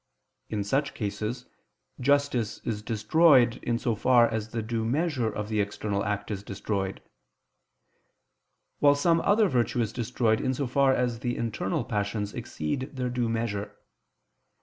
In such cases justice is destroyed in so far as the due measure of the external act is destroyed: while some other virtue is destroyed in so far as the internal passions exceed their due measure.